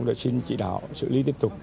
để xin chỉ đạo xử lý tiếp tục